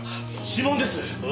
指紋です。